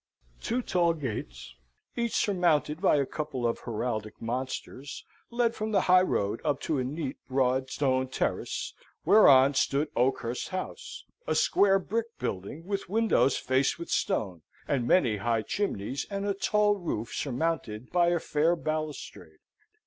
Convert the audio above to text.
Two tall gates, each surmounted by a couple of heraldic monsters, led from the highroad up to a neat, broad stone terrace, whereon stood Oakhurst House; a square brick building, with windows faced with stone, and many high chimneys, and a tall roof surmounted by a fair balustrade.